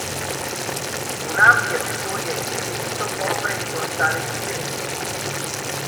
Un'ampia tettoia in cemento copre il portale d'ingresso.